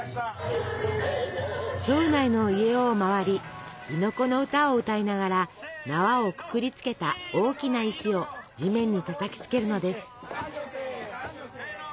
町内の家を回り「亥の子の歌」を歌いながら縄をくくりつけた大きな石を地面にたたきつけるのです。